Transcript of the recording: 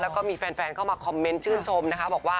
แล้วก็มีแฟนเข้ามาคอมเมนต์ชื่นชมนะคะบอกว่า